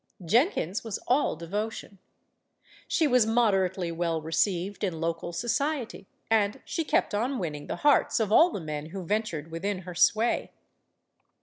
Jenkins was all devotion. She was moderately well received in local society, and she kept on winning the hearts of all the men who ventured within her sway.